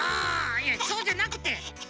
いやそうじゃなくて！